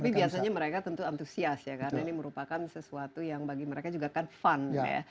tapi biasanya mereka tentu antusias ya karena ini merupakan sesuatu yang bagi mereka juga kan fun ya